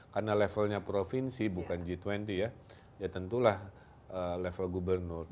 karena levelnya provinsi bukan g dua puluh ya ya tentulah level gubernur